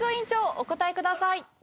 お答えください。